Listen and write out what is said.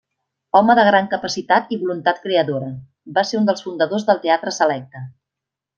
Home de gran capacitat i voluntat creadora, va ser un dels fundadors del Teatre Selecte.